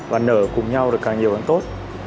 và nở cùng nhau được càng nhiều càng tốt